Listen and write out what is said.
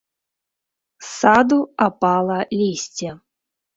З саду апала лісце.